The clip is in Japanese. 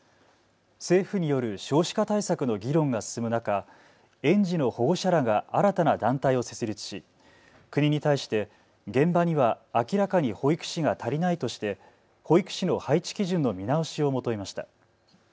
政府による少子化対策の議論が進む中、園児の保護者らが新たな団体を設立し国に対して現場には明らかに保育士が足りないとして保育士の配置基準の見直しを求めました。